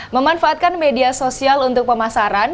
memanfaatkan media sosial untuk pemasaran